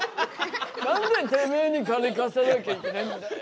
何でてめえに金貸さなきゃいけないんだよ！